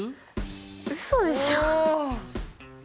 うそでしょ？